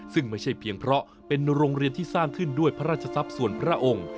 ซึ่งไม่ใช่เพียงเพราะเป็นโรงเรียนที่สร้างขึ้นด้วยพระราชทรัพย์ส่วนพระองค์